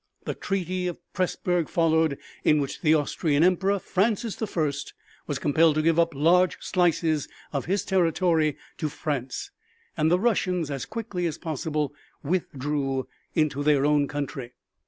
The treaty of Pressburg followed, in which the Austrian Emperor, Francis the First, was compelled to give up large slices of territory to France, and the Russians as quickly as possible withdrew into their own country.